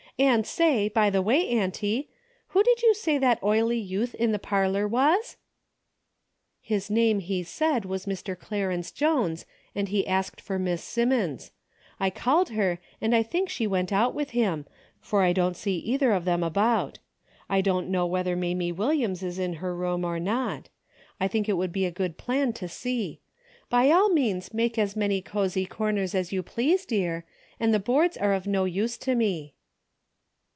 And say, by the way, auntie, who did you say that oily youth in the parlor was ?"" His name, he said, was Mr. Clarence Jones and he asked for Miss Simmons. I called her and I think she went out with him, for I don't see either of them about. I don't know whether Mamie AVilliams is in her room or not. I think it would be a good plan to see. By all means make as many cozy corners as you please, dear, and the boards are of no use to me."